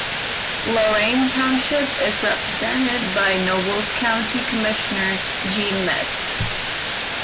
Lorain Township is represented by Nobles County Commissioner Gene Metz.